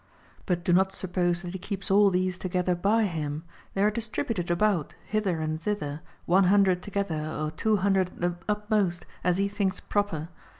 But do not suppose that he keeps all these together by him ; tliey are distributed about, hither and thither, one hundred together, or two hundred at the utmost, as he thinks proper.